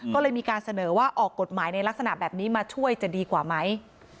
ก็เลยมีการเสนอว่าออกกฎหมายในลักษณะแบบนี้มาช่วยจะดีกว่าไหม